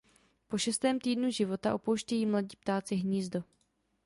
Po šestém týdnu života opouštějí mladí ptáci hnízdo.